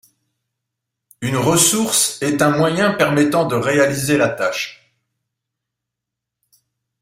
Une ressource est un moyen permettant de réaliser la tâche.